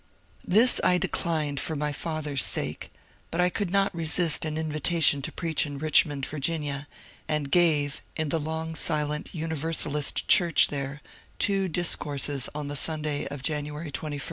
This I declined for my father's sake, but I could not resist an invitation to preach in Richmond, Ya., and gave in the long silent Universalist church there two discourses on the Sunday of January 21, 1855.